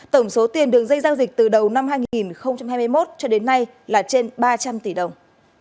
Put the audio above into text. tổng số tiền đường dây giao dịch từ đầu năm hai nghìn hai mươi một cho đến nay là trên ba trăm linh tỷ đồng